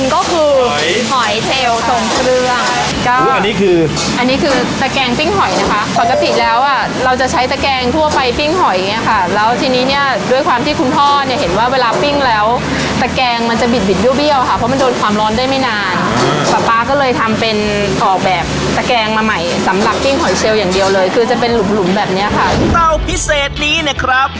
คือจะเป็นหลุมแบบเนี้ยค่ะเต้าพิเศษนี้เนี้ยครับ